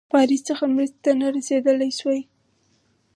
پاریس څخه مرستي ته نه رسېدلای سوای.